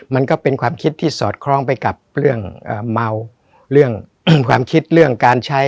มันก็เป็นความคิดที่สอดคล้องไปกับเรื่องเมาเรื่องความคิดเรื่องการใช้